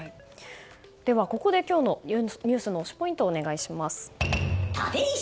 では、ここで今日のニュースの推しポイントをお願いします。